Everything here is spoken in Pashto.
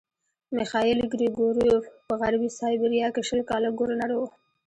میخایل ګریګورویوف په غربي سایبیریا کې شل کاله ګورنر وو.